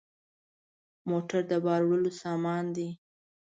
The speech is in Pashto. موټر د بار وړلو سامان دی.